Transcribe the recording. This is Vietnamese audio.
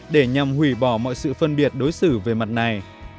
để nhằm hủy bỏ mọi sự phân biệt đối xử về mặt này